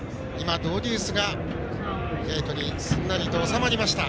ドウデュースがゲートにすんなりと収まりました。